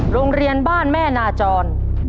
โรงเรียนบ้านแม่นาจร